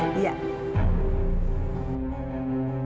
aku ingin berbicara sama mama kamu su